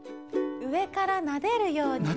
うえからなでるように。